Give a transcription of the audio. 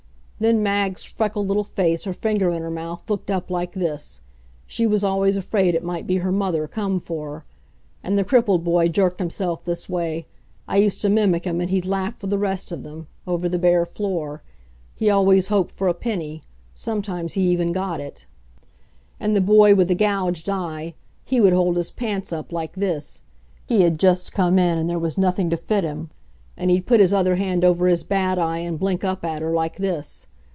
Then Mag's freckled little face, her finger in her mouth, looked up like this. She was always afraid it might be her mother come for her. And the crippled boy jerked himself this way I used to mimic him, and he'd laugh with the rest of them over the bare floor. He always hoped for a penny. Sometimes he even got it. "And the boy with the gouged eye he would hold his pants up like this. He had just come in, and there was nothing to fit him. And he'd put his other hand over his bad eye and blink up at her like this.